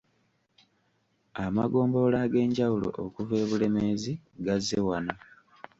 Amagombolola ag’enjawulo okuva e Bulemeezi gazze wano.